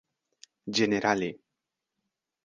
ĝenerale